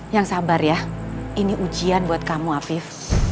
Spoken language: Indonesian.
yang sabar ya ini ujian buat kamu afif